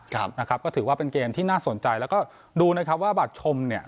ครับนะครับก็ถือว่าเป็นเกมที่น่าสนใจแล้วก็ดูนะครับว่าบัตรชมเนี่ย